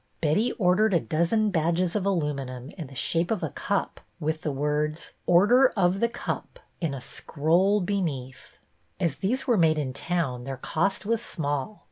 | Betty ordered a dozen badges of aluminum in the shape of a cup, with the words, " Order /.j of The Cup " in a scroll beneath. As these | were made in town their cost was small.